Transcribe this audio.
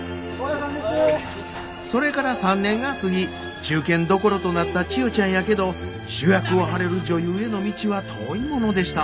それから３年が過ぎ中堅どころとなった千代ちゃんやけど主役を張れる女優への道は遠いものでした。